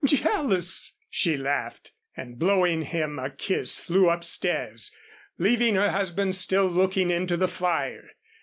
"Jealous!" she laughed, and blowing him a kiss flew upstairs, leaving her husband still looking into the fire.